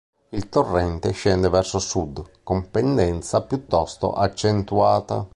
Il torrente scende verso sud con pendenza piuttosto accentuata.